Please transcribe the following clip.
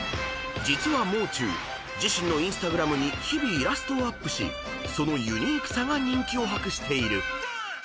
［実はもう中自身のＩｎｓｔａｇｒａｍに日々イラストをアップしそのユニークさが人気を博している］